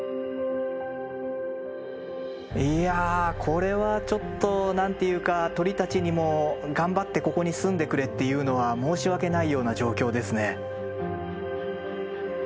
いやこれはちょっと何て言うか鳥たちにも頑張ってここに住んでくれっていうのは申し訳ないような状況ですね。